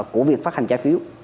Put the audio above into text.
của việc phát hành trái phiếu